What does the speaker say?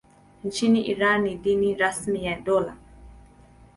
Nchini Iran ni dini rasmi ya dola.